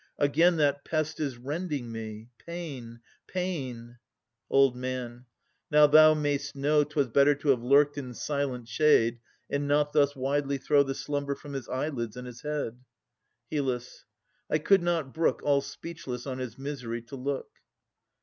Again that pest is rending me. Pain, pain! OLD M. Now thou may'st know 'Twas better to have lurked in silent shade And not thus widely throw The slumber from his eyelids and his head. HYL. I could not brook All speechless on his misery to look.